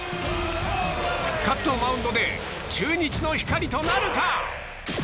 復活のマウンドで中日の光となるか？